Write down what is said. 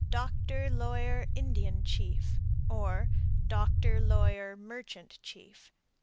Doctor, lawyer, Indian chief. Or, Doctor, lawyer, merchant, chief.